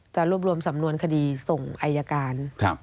รวบรวมสำนวนคดีส่งอายการ